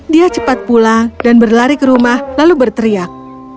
dia cepat pulang dan berlari ke rumah lalu berteriak